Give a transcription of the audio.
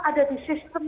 ada di sistem